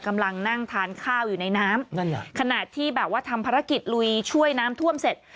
กำลังนั่งทานข้าวอยู่ในน้ำนั่นเหรอขณะที่แบบว่าทำภารกิจลุยช่วยน้ำท่วมเสร็จ